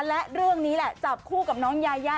และเรื่องนี้แหละจับคู่กับน้องยายา